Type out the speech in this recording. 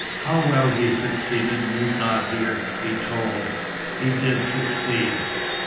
How well he succeeded need not here be told. He did succeed."